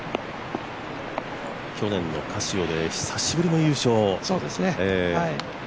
去年のカシオで久しぶりの優勝。